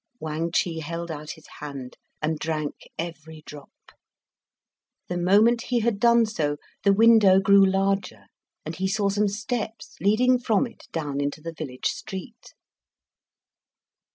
Wang Chih held out his hand, and drank every drop. The moment he had done so, the window grew larger, and he saw some steps leading from it down into the village street.